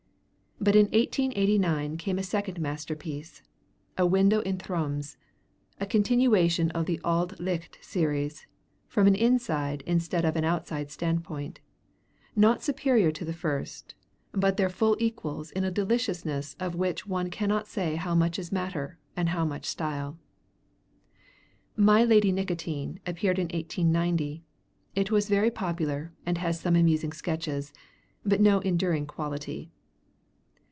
But in 1889 came a second masterpiece, 'A Window in Thrums,' a continuation of the Auld Licht series from an inside instead of an outside standpoint, not superior to the first, but their full equals in a deliciousness of which one cannot say how much is matter and how much style. 'My Lady Nicotine' appeared in 1890; it was very popular, and has some amusing sketches, but no enduring quality.